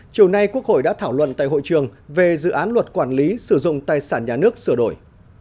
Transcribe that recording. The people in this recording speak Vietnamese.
chiều nay quốc hội đã thảo luận tại hội trường về dự án luật quản lý sử dụng tài sản nhà nước sửa đổi